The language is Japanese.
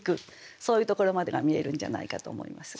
そういうところまでが見えるんじゃないかと思います。